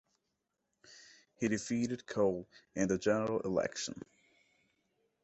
He defeated Cole in the general election.